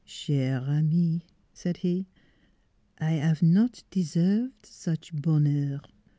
" Chere amie," said he, " I 'ave not deserve such bonheur.